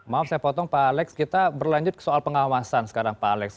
maaf saya potong pak alex kita berlanjut ke soal pengawasan sekarang pak alex